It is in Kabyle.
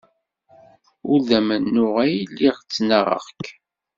Ur d amennuɣ ay lliɣ ttnaɣeɣ-k.